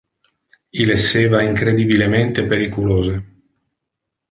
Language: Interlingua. Il esseva incredibilemente periculose.